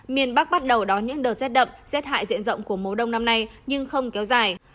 miền bắc bắt đầu đón những đợt rét đậm rét hại diện rộng của mùa đông năm nay nhưng không kéo dài